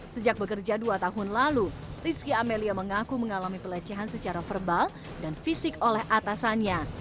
sejak bekerja dua tahun lalu rizky amelia mengaku mengalami pelecehan secara verbal dan fisik oleh atasannya